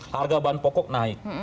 harga bahan pokok naik